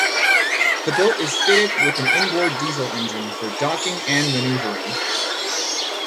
The boat is fitted with an inboard diesel engine for docking and manoeuvring.